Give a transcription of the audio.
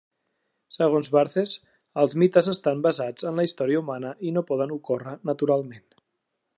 Segons Barthes, els mites estan basats en la història humana i no poden ocórrer naturalment.